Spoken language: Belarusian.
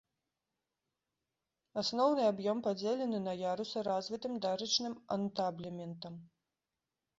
Асноўны аб'ём падзелены на ярусы развітым дарычным антаблементам.